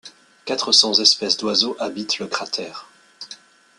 Quatre cents espèces d'oiseaux habitent le cratère.